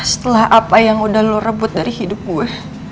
setelah apa yang udah lo rebut dari hidup gue